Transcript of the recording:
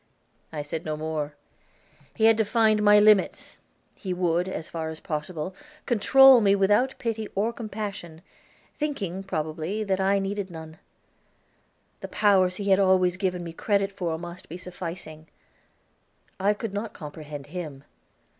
I said no more. He had defined my limits, he would, as far as possible, control me without pity or compassion, thinking, probably, that I needed none; the powers he had always given me credit for must be sufficing. I could not comprehend him.